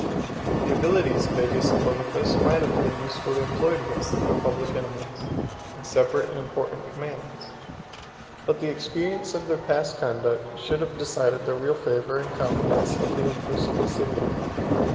The abilities of Ætius and Boniface might have been usefully employed against the public enemies, in separate and important commands; but the experience of their past conduct should have decided the real favor and confidence of the empress Placidia.